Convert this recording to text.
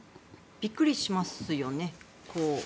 びっくりしますよね。